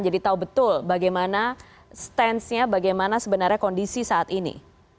jadi tahu betul bagaimana stance nya bagaimana sebenarnya kondisi saat ini